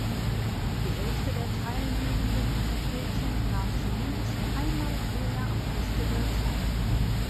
Die Hälfte der teilnehmenden Interpreten nahm zumindest einmal vorher am Festival teil.